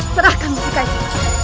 serahkan mustika ini